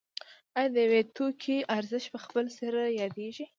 آیا د یو توکي ارزښت په خپل سر زیاتېږي